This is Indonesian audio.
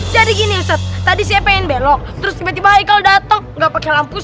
jadi gini tadi siapa yang belok terus tiba tiba ikal datang enggak pakai lampu